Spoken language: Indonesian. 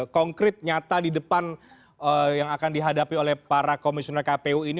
konkret nyata di depan yang akan dihadapi oleh para komisioner kpu ini